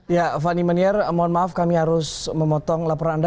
ya fani maniar mohon maaf kami harus memotong laporan anda